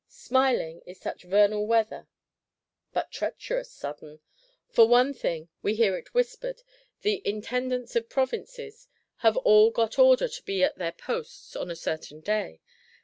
Smiling is such vernal weather; but treacherous, sudden! For one thing, we hear it whispered, "the Intendants of Provinces have all got order to be at their posts on a certain day."